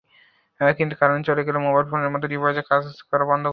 কিন্তু কারেন্ট চলে গেলে মোবাইল ফোনের মত ডিভাইসও কাজ করা বন্ধ করে দিচ্ছে।